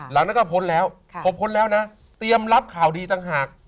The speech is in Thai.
หลังนั้นก็พ้นแล้วเตรียมรับข่าวดีต่างหาก